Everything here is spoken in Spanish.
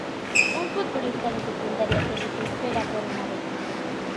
Un futbolista de secundaria se desespera por una beca.